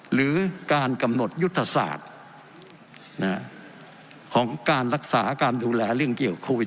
หรือการกำหนดยุทธศาสตร์ของการรักษาการดูแลเรื่องเกี่ยวโควิด